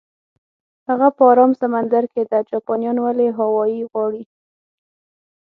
هغه په ارام سمندر کې ده، جاپانیان ولې هاوایي غواړي؟